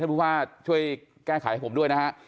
ท่านบุวะช่วยแก้ไขให้ผมด้วยนะครับ